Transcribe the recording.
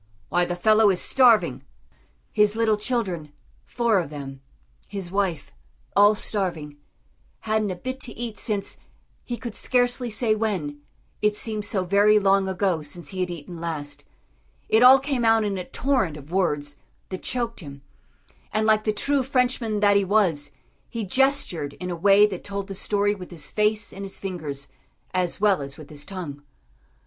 Why, the fellow is starving." His little children four of them his wife all starving hadn't a bit to eat since, he could scarcely say when, it seemed so very long ago since he had eaten last it all came out in a torrent of words that choked him, and like the true Frenchman that he was, he gestured in a way that told the story with his face and his fingers, as well as with his tongue.